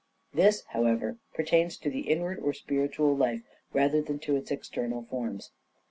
This, however, pertains to the inward or spiritual life rather than to its external forms.